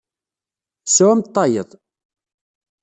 Sɛumt tayeḍ.